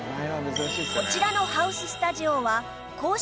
こちらのハウススタジオは公式